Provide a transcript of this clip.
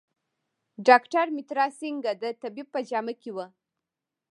ډاکټر مترا سینګه د طبیب په جامه کې و.